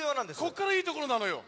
こっからいいところなのよ。